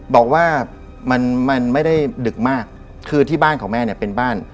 บอกว่ามันมันไม่ได้ดึกมากคือที่บ้านของแม่เนี่ยเป็นบ้าน